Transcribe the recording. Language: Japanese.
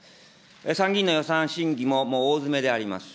参議院の予算審議ももう大詰めであります。